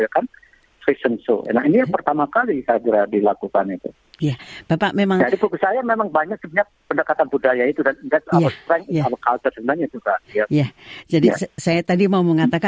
karena pertama masyarakat banyak